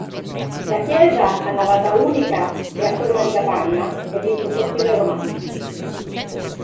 La chiesa, a navata unica e a forma di capanna, è di impostazione romanica.